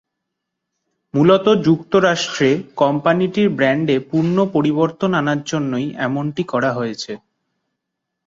মূলত যুক্তরাষ্ট্রে কোম্পানিটির ব্র্যান্ডে পূর্ণ পরিবর্তন আনার জন্যই এমনটি করা হয়েছে।